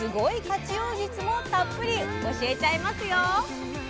活用術もたっぷり教えちゃいますよ！